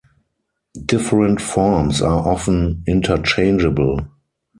Different forms are often interchangeable.